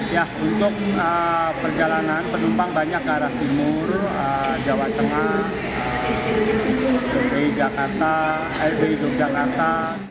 ya untuk perjalanan penumpang banyak ke arah timur jawa tengah dki jakarta rb yogyakarta